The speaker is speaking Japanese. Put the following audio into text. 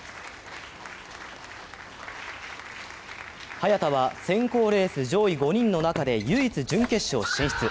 早田は選考レース上位５人の中で唯一準決勝進出。